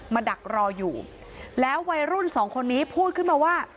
ดักรออยู่แล้ววัยรุ่นสองคนนี้พูดขึ้นมาว่า